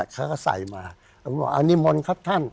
เขาก็ใส่มาผมบอกอันนี้มนต์ครับท่าน